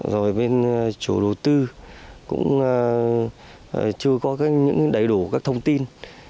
rồi bên chủ đầu tư cũng chưa có những đầy đủ các thông tin